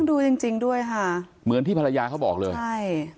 ดูจริงจริงด้วยค่ะเหมือนที่ภรรยาเขาบอกเลยใช่